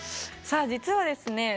さあ実はですね